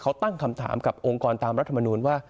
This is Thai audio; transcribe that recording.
เขาตั้งคำถามกับองค์กรตามรัฐมนูลว่า